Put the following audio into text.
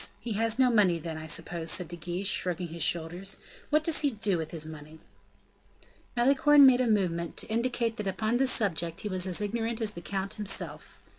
he has no money then, I suppose," said De Guiche, shrugging his shoulders. "What does he do with his money?" Malicorne made a movement, to indicate that upon this subject he was as ignorant as the count himself.